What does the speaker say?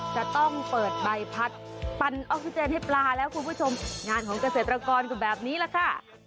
จะต้องเปิดใบพัดปั่นออกซิเจนให้ปลาแล้วคุณผู้ชมงานของเกษตรกรก็แบบนี้แหละค่ะ